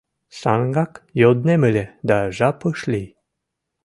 Шаҥгак йоднем ыле, да жап ыш лий.